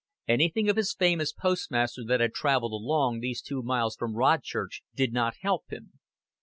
Anything of his fame as postmaster that had traveled along these two miles from Rodchurch did not help him.